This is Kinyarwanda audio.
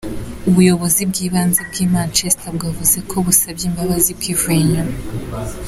Ubuyobozi bw’ibanze bw’i Manchester bwavuze ko "busabye imbabazi bwivuye inyuma.